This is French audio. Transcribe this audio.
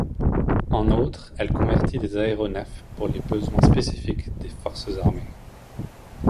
En autre, elle convertit des aéronefs pour les besoins spécifiques des forces armées.